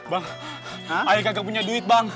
bang ayah kagak punya duit bang